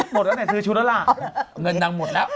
หมดแล้วไหนซื้อชุดว่ะล่ะเงินทางหมดละ